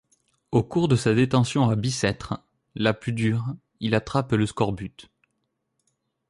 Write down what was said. Au cours de sa détention à Bicêtre, la plus dure, il attrape le scorbut.